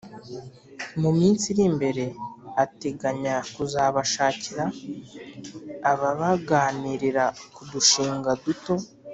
mu minsi iri imbere ateganya kuzabashakira ababaganirira ku dushinga duto